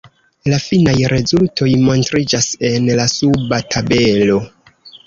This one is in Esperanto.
La finaj rezultoj montriĝas en la suba tabelo.